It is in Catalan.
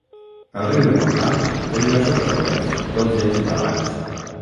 El riu de Montant té diversos afluents, tots ells barrancs.